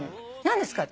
何ですか？